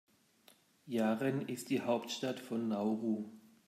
Yaren ist die Hauptstadt von Nauru.